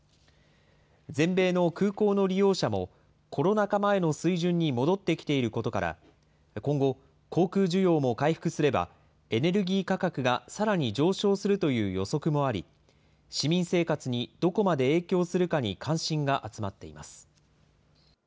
全米の空港の利用者も、コロナ禍前の水準に戻ってきていることから、今後、航空需要も回復すれば、エネルギー価格がさらに上昇するという予測もあり、市民生活にどこまで影響するかに関心が集まっています。